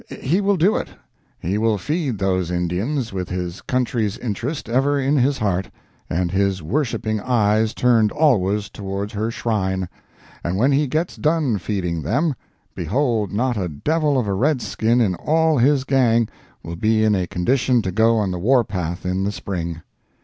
He will do it. He will feed those Indians with his country's interest ever in his heart, and his worshipping eyes turned always toward her shrine—and when he gets done feeding them, behold not a devil of a redskin in all his gang will be in a condition to go on the warpath in the spring!